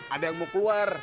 ada yang mau keluar